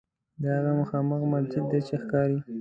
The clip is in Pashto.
دا هغه مخامخ مسجد دی چې ښکاري.